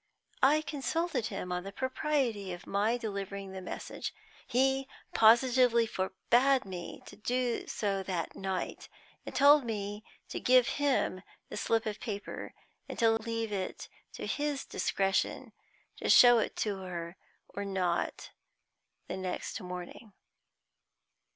I consulted him upon the propriety of my delivering the message. He positively forbade me to do so that night, and told me to give him the slip of paper, and leave it to his discretion to show it to her or not the next morning.